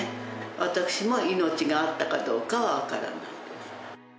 私も命があったかどうかは分からないです。